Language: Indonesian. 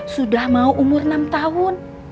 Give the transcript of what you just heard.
sudah mau umur enam tahun